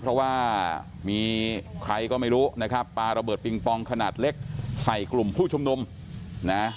เพราะว่ามีใครก็ไม่รู้นะครับปลาระเบิดปิงปองขนาดเล็กใส่กลุ่มผู้ชุมนุมนะ